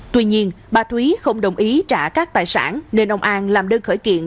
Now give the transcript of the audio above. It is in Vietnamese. tuy nhiên bà thúy không đồng ý trả các tài sản nên ông an làm đơn khởi kiện